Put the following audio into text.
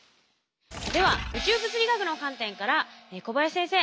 では宇宙物理学の観点から小林先生